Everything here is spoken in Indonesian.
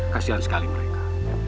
kasian sekali mereka